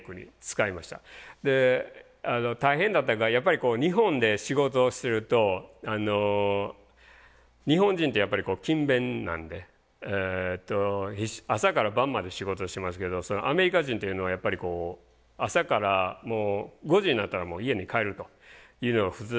大変だったのがやっぱり日本で仕事をしてると日本人ってやっぱり勤勉なんで朝から晩まで仕事してますけどアメリカ人っていうのはやっぱりこう朝からもう５時になったら家に帰るというのが普通だったんで。